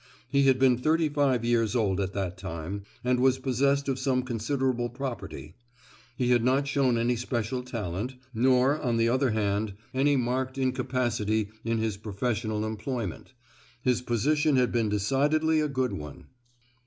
He had been thirty five years old at that time, and was possessed of some considerable property. He had not shown any special talent, nor, on the other hand, any marked incapacity in his professional employment; his position had been decidedly a good one.